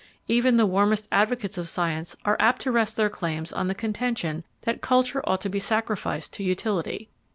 Even the warmest advocates of science are apt to rest their claims on the contention that culture ought to be sacrificed to utility.